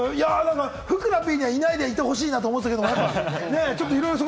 ふくらＰには「いない」でいてほしいなと思ってたけれど。